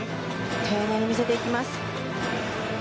丁寧に見せていきます。